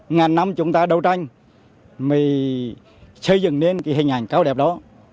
ngàn năm chúng ta đấu tranh mới xây dựng nên cái hình ảnh cao đẹp đó